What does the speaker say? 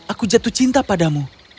aku jatuh cinta padamu